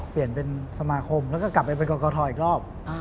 เปลี่ยนเป็นสมาคมแล้วก็กลับไปเป็นกรกฐอีกรอบ